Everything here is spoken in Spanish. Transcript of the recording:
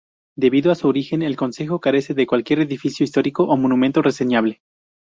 Debido a su origen el concejo carece de cualquier edificio histórico o monumento reseñable.